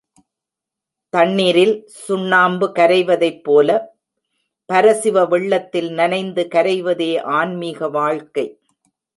தண்ணிரில் சுண்ணாம்பு கரைவதைப்போல பரசிவ வெள்ளத்தில் நனைந்து கரைவதே ஆன்மீக வாழ்க்கை.